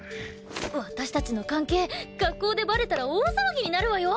私たちの関係学校でバレたら大騒ぎになるわよ！